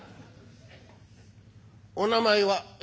「お名前は？」。